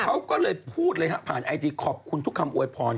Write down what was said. เขาก็เลยพูดเลยฮะผ่านไอจีขอบคุณทุกคำอวยพร